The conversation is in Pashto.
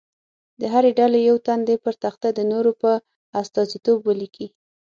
د هرې ډلې یو تن دې پر تخته د نورو په استازیتوب ولیکي.